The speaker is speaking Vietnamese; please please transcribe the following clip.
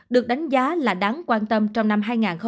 được đánh giá là đáng quan tâm trong năm hai nghìn hai mươi ba